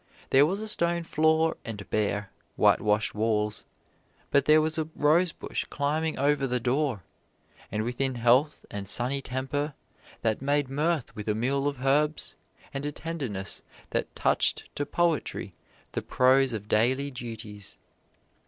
There was a stone floor and bare, whitewashed walls; but there was a rosebush climbing over the door, and within health and sunny temper that made mirth with a meal of herbs, and a tenderness that touched to poetry the prose of daily duties.